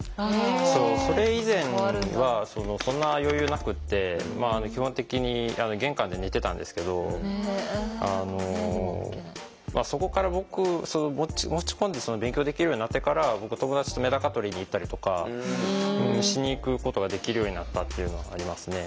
そうそれ以前はそんな余裕なくて基本的に玄関で寝てたんですけどあのそこから僕持ち込んで勉強できるようになってから僕友達とメダカ取りに行ったりとかしに行くことができるようになったっていうのはありますね。